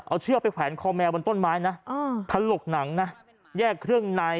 เอาเชือกไปแขวนคอแมวบนต้นไม้นะถลกหนังนะแยกเครื่องใน